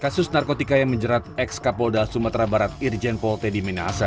kasus narkotika yang menjerat ex kapolda sumatera barat irjen polte di minasa